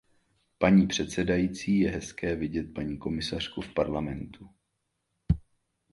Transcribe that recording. Paní předsedající, je hezké vidět paní komisařku v Parlamentu.